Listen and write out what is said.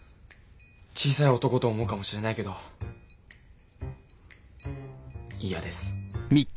小さい男と思うかもしれないけど嫌です。